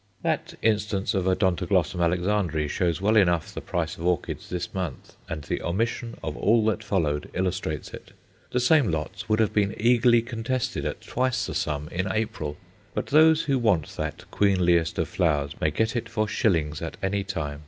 That instance of Odontoglossum Alexandræ shows well enough the price of orchids this month, and the omission of all that followed illustrates it. The same lots would have been eagerly contested at twice the sum in April. But those who want that queenliest of flowers may get it for shillings at any time.